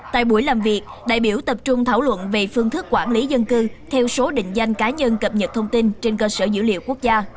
tại buổi làm việc đại biểu tập trung thảo luận về phương thức quản lý dân cư theo số định danh cá nhân cập nhật thông tin trên cơ sở dữ liệu quốc gia